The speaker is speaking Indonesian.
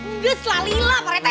udah selalila pak rete